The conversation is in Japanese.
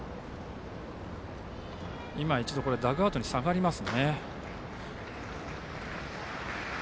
今、一度ダグアウトに下がります。